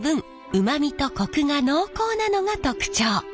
うまみとコクが濃厚なのが特徴。